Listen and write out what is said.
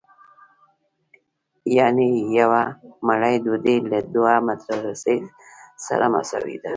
یانې یوه مړۍ ډوډۍ له دوه متره رسۍ سره مساوي ده